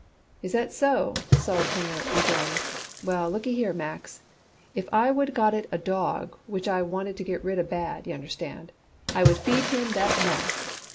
"Is that so?" Sol Klinger rejoined. "Well, lookyhere Max, if I would got it a dawg which I wanted to get rid of bad, y'understand, I would feed him that mess.